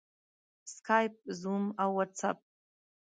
سکایپ، زوم او واټساپ